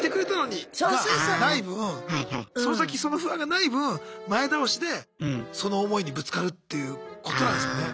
がない分その先その不安がない分前倒しでその思いにぶつかるっていうことなんすかね。